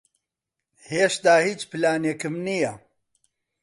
ھێشتا ھیچ پلانێکم نییە.